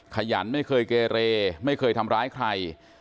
ขยันไม่เคยเกเรไม่เคยทำร้ายใคร